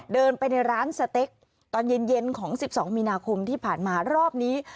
เดินไปในร้านสเต็กตอนเย็นของ๑๒มีนาคมที่ผ่านมารอบนี้